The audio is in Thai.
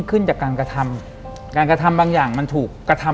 หลังจากนั้นเราไม่ได้คุยกันนะคะเดินเข้าบ้านอืม